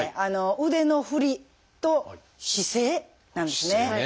腕の振りと姿勢なんですね。